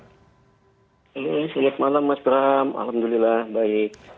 halo selamat malam mas bram alhamdulillah baik